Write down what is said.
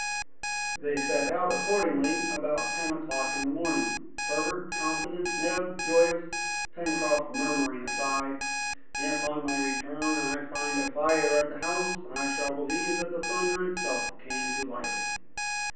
They set out accordingly about ten o'clock in the morning, Herbert confident, Neb joyous, Pencroft murmuring aside, "If, on my return, I find a fire at the house, I shall believe that the thunder itself came to light it."